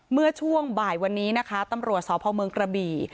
เมื่อช่วงบ่ายวันนี้นะคะตำรวจสพเมืองกระบี่